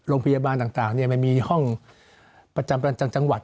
โรงพยาบาลต่างมันมีห้องประจำจังหวัด